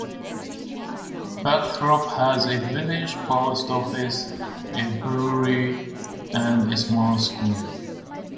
Bugthorpe has a village post office, a brewery and a small school.